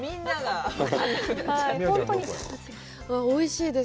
おいしいです。